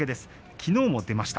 きのうも出ました。